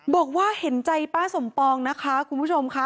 บอกว่าเห็นใจป้าสมปองนะคะคุณผู้ชมค่ะ